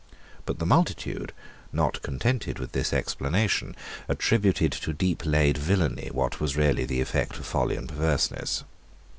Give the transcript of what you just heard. But the multitude, not contented with this explanation, attributed to deep laid villany what was really the effect of folly and perverseness.